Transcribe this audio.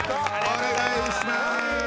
お願いします。